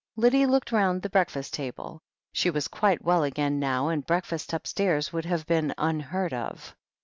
Lydia looked round the breakfast table. She was quite well again now, and breakfast upstairs would have been unheard of.